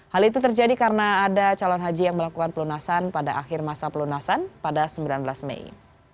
hal itu terjadi karena ada calon haji yang melakukan pelunasan pada akhir masa pelunasan pada sembilan belas mei